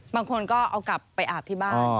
บางคนก็เอากลับไปอาบที่บ้าน